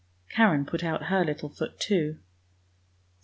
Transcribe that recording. Karen put out her little foot too.